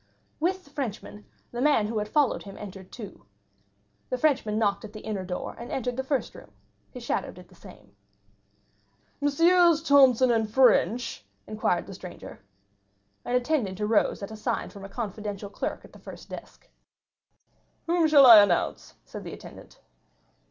With the Frenchman, the man who had followed him entered too; the Frenchman knocked at the inner door, and entered the first room; his shadow did the same. "Messrs. Thomson & French?" inquired the stranger. An attendant arose at a sign from a confidential clerk at the first desk. "Whom shall I announce?" said the attendant.